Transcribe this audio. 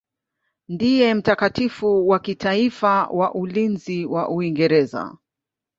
Ndiye mtakatifu wa kitaifa wa ulinzi wa Uingereza.